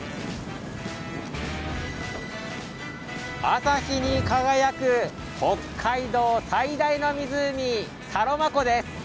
朝日に輝く北海道最大の湖サロマ湖です。